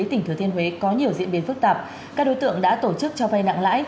tỉnh thừa thiên huế có nhiều diễn biến phức tạp các đối tượng đã tổ chức cho vay nặng lãi